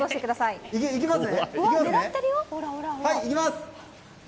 いきます！